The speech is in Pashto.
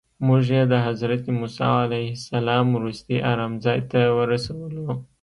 موږ یې د حضرت موسی علیه السلام وروستي ارام ځای ته ورسولو.